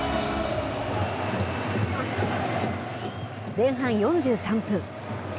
前半４３分。